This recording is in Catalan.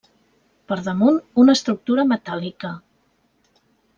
Per damunt, una estructura metàl·lica.